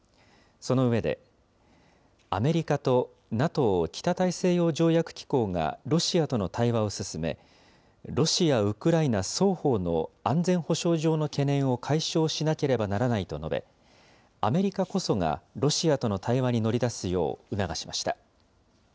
その上で、アメリカとＮＡＴＯ・北大西洋条約機構がロシアとの対話を進め、ロシア、ウクライナ双方の安全保障上の懸念を解消しなければならないと述べ、アメリカこそがロシアとの対話に乗り出すよう促しました。